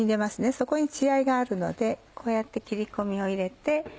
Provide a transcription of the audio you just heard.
そこに血合いがあるのでこうやって切り込みを入れて。